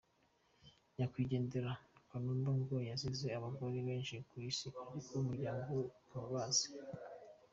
Nyakwigendera Kanumba ngo yasize abagore benshi ku isi ariko umuryango we ntubazi!!.